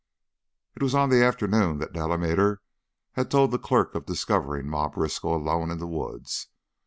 It was on that afternoon that Delamater had told the clerk of discovering Ma Briskow alone in the woods.